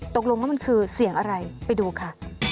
ตกลงว่ามันคือเสียงอะไรไปดูค่ะ